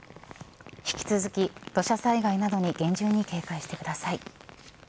引き続き、土砂災害などに厳重に警戒してください。